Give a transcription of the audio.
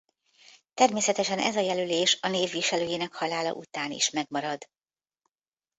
Természetesen ez a jelölés a név viselőjének halála után is megmarad.